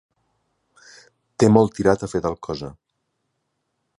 Té molt tirat a fer tal cosa.